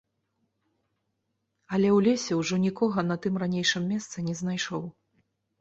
Але ў лесе ўжо нікога на тым ранейшым месцы не знайшоў.